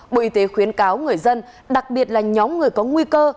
bộ y tế khuyến cáo người dân đặc biệt là nhóm người có nguy cơ